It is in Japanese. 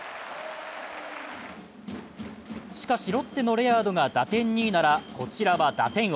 しかし、ロッテのレアードが打点２位なら、こちらは打点王。